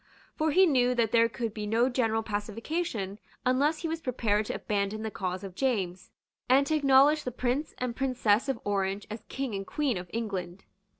For he knew that there could be no general pacification unless he was prepared to abandon the cause of James, and to acknowledge the Prince and Princess of Orange as King and Queen of England.